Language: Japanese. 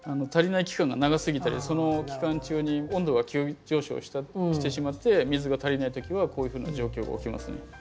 足りない期間が長すぎたりその期間中に温度が急上昇してしまって水が足りない時はこういうふうな状況が起きますね。